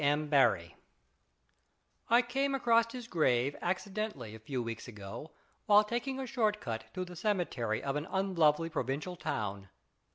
M. BABBIE. I. I CAME upon his grave accidentally a few weeks ago while taking a short cut through the ceme tery of an unlovely pro vincial town.